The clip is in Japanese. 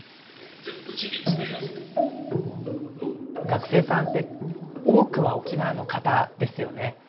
学生さんって多くは沖縄の方ですよね。